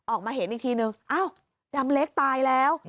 ออกมาเห็นอีกทีนึงอ้าวดำเล็กตายแล้ว